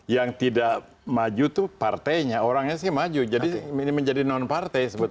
yang tidak maju itu partainya orangnya sih maju jadi ini menjadi non partai